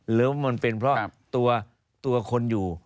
หรือมันเป็นเพราะตัวคนอยู่